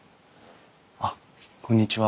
あっこんにちは。